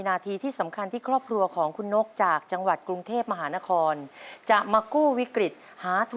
ได้เตรียมตัวกันมาดีไหมครับ